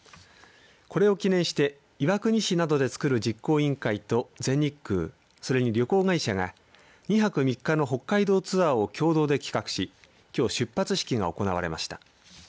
これを記念して岩国市などでつくる実行委員会と全日空それに旅行会社が２泊３日の北海道ツアーを共同で企画しきょう出発式が行われました。